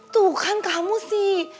tuh kan kamu sih